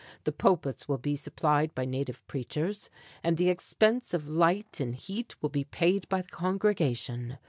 The pulpits will be supplied by native preachers, and the expense of light and heat will be paid by the congregation.